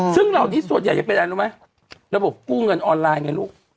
ซึ่งเหล่านี้ส่วนใหญ่จะเป็นอะไรรู้ไหมระบบกู้เงินออนไลน์ไงลูก